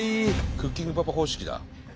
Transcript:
「クッキングパパ」方式だ。